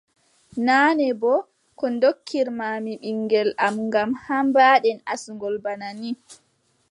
Naane boo, ko ndokkirma mi ɓiŋngel am ngam haa mbaɗen asngol bana nii.